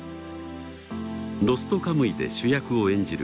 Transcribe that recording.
『ロストカムイ』で主役を演じる